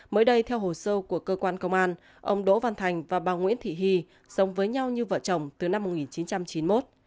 mới đây theo hồ sơ của cơ quan công an ông đỗ văn thành và bà nguyễn thị hy sống với nhau như vợ chồng từ năm một nghìn chín trăm chín mươi một